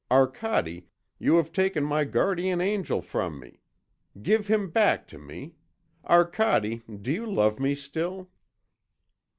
Arcade, you have taken my guardian angel from me. Give him back to me. Arcade, do you love me still?"